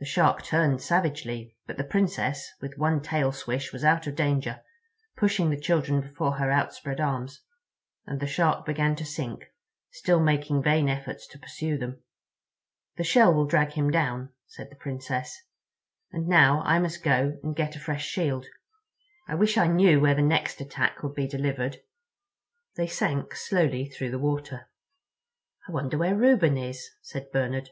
The Shark turned savagely, but the Princess with one tail swish was out of danger, pushing the children before her outspread arms, and the Shark began to sink, still making vain efforts to pursue them. [Illustration: The Swordfish Brigade.] "The shell will drag him down," said the Princess; "and now I must go and get a fresh shield. I wish I knew where the next attack would be delivered." They sank slowly through the water. "I wonder where Reuben is?" said Bernard.